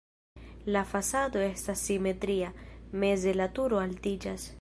La fasado estas simetria, meze la turo altiĝas.